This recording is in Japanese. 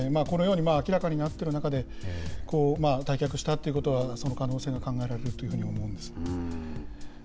このように明らかになっている中で、退却したということは、その可能性が考えられると思うんですよね。